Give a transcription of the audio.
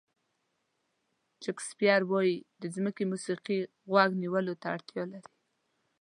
شکسپیر وایي د ځمکې موسیقي غوږ نیولو ته اړتیا لري.